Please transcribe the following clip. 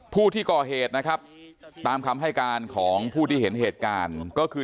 ผู้ที่ก่อเหตุนะครับตามคำให้การของผู้ที่เห็นเหตุการณ์ก็คือ